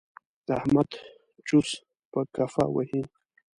احمد چوس په کفه وهي.